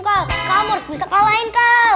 kamu harus bisa kalahin